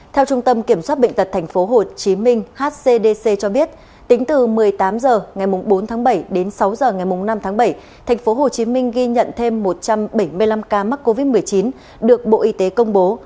theo trung tâm kiểm soát bệnh tật tp hcm hcdc cho biết tính từ một mươi tám h ngày bốn tháng bảy đến sáu h ngày năm tháng bảy tp hcm ghi nhận thêm một trăm bảy mươi năm ca mắc covid một mươi chín được bộ y tế công bố